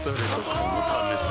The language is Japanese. このためさ